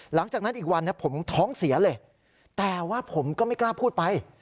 หลังจากนั้นอีกวันผมท้องเสียเลยแต่ว่าผมก็ไม่กล้าพูดไป